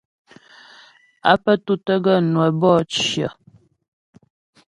Á pə́ tútə́ gaə́ ŋwə́ bɔ'ɔ cyə.